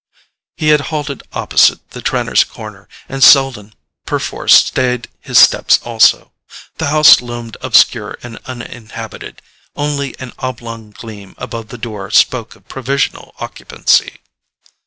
He had halted opposite the Trenors' corner, and Selden perforce stayed his steps also. The house loomed obscure and uninhabited; only an oblong gleam above the door spoke of provisional occupancy.